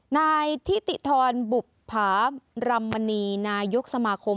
นายทิติธรบุภารำมณีนายกสมาคม